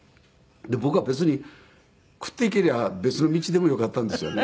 で僕は別に食っていけりゃ別の道でもよかったんですよね。